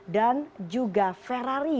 dan juga ferrari